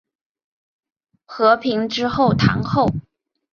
和平之后堂后。